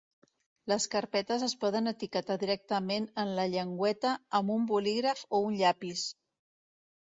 Les carpetes es poden etiquetar directament en la llengüeta amb un bolígraf o un llapis.